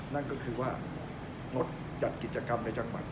นั่นก็คือว่างดจัดกิจกรรมในจังหวัด